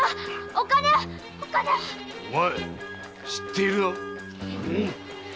お前知っているな。